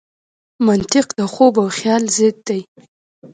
منطق د خوب او خیال ضد دی.